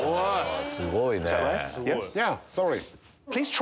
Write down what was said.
すごいね。